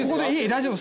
大丈夫？